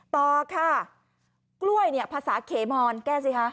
ต่อค่ะกล้วยเนี่ยภาษาเขมอนแก้สิคะ